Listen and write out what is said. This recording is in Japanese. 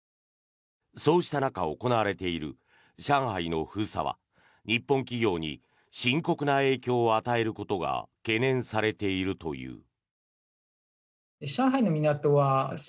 そうした中行われている上海の封鎖は日本企業に深刻な影響を与えることが懸念されているという。